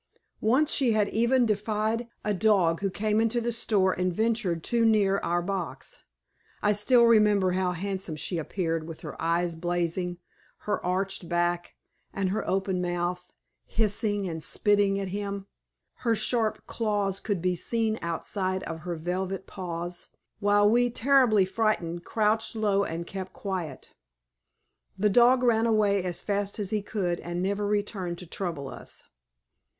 Once she had even defied a dog who came into the store and ventured too near our box. I still remember how handsome she appeared with her eyes blazing, her arched back, and her open mouth, hissing and spitting at him. Her sharp claws could be seen outside of her velvet paws, while we, terribly frightened, crouched low and kept quiet. The dog ran away as fast as he could, and never returned to trouble us.